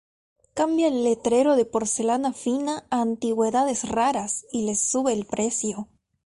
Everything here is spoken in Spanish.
Cambia el letrero de Porcelana Fina a Antigüedades Raras y les sube el precio.